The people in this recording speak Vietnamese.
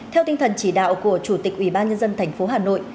theo tinh thần chỉ đạo của chủ tịch ubnd tp hà nội